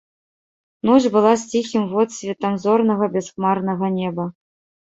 Ноч была з ціхім водсветам зорнага бясхмарнага неба.